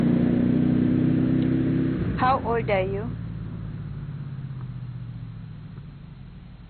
Shuler was known to be humorous in her writing and passion for travel.